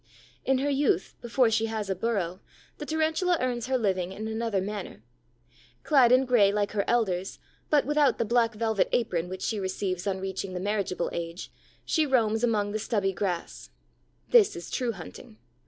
In her youth, before she has a burrow, the Tarantula earns her living in another manner. Clad in gray like her elders, but without the black velvet apron which she receives on reaching the marriageable age, she roams among the stubby grass. This is true hunting.